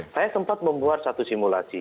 saya sempat membuat satu simulasi